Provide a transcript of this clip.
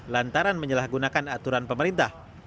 lantaran menjelahgunakan aturan pemerintah